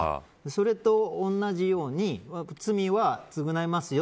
それと同じように罪は償いますよ。